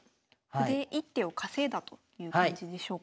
歩で１手を稼いだという感じでしょうか？